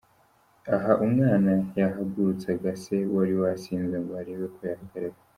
Aha umwana yahagurutsaga se wari wasinze ngo arebe ko yahagarara.